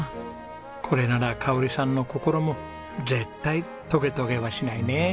これなら香さんの心も絶対トゲトゲはしないねえ。